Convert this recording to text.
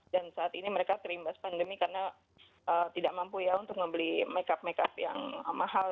dan saat ini mereka terimbas pandemi karena tidak mampu ya untuk membeli makeup makeup yang mahal